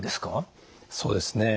そうですね。